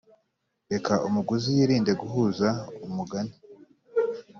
reka umuguzi yirinde guhuza umugani